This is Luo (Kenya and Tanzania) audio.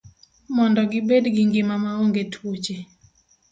Mondo gibed gi ngima maonge tuoche.